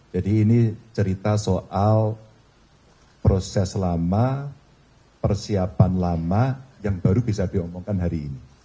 jadi ini cerita soal proses lama persiapan lama yang baru bisa diomongkan hari ini